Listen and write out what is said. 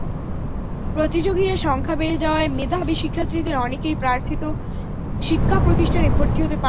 প্রতিযোগীর সংখ্যা বেড়ে যাওয়ায় মেধাবী শিক্ষার্থীদের অনেকেই প্রার্থিত শিক্ষাপ্রতিষ্ঠানে ভর্তি হতে পারেনি।